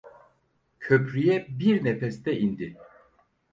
Köprü’ye bir nefeste indi.